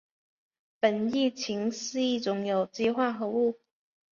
苯乙腈是一种有机化合物。